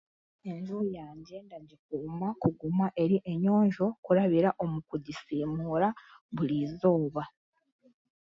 Enju yangye ndagikuuma kuguma eri enyonjo kurabira omu kujisimuura burizooba.